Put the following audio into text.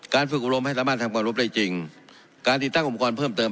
การฝึกอุโรมให้ทำบ้านทำกว่ารบได้จริงการติดตั้งอุปกรณ์เพิ่มเติม